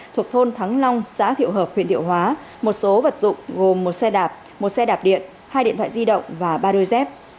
thuộc thôn thắng long xã thiệu hợp huyện điệu hóa một số vật dụng gồm một xe đạp một xe đạp điện hai điện thoại di động và ba đôi dép